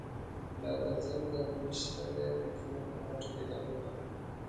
لادرزم ګرمی شته دی، زموږ په مټوکی دننه